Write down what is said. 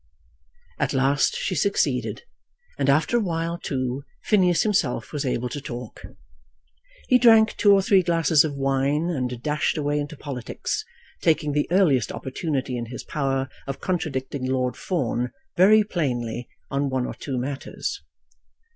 At last she succeeded; and after a while, too, Phineas himself was able to talk. He drank two or three glasses of wine, and dashed away into politics, taking the earliest opportunity in his power of contradicting Lord Fawn very plainly on one or two matters.